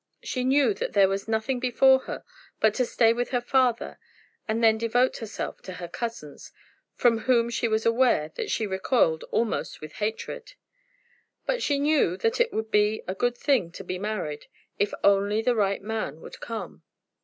She knew that there was nothing before her but to stay with her father, and then to devote herself to her cousins, from whom she was aware that she recoiled almost with hatred. And she knew that it would be a good thing to be married, if only the right man would come.